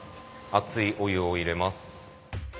熱いお湯を入れます。